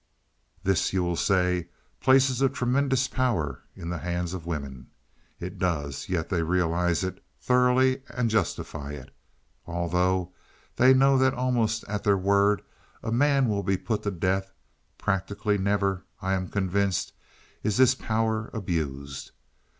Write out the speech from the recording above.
"This you will say, places a tremendous power in the hands of women. It does; yet they realize it thoroughly, and justify it. Although they know that almost at their word a man will be put to death, practically never, I am convinced, is this power abused.